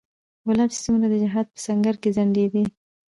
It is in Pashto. کلاب چې څومره د جهاد په سنګر کې ځنډېدی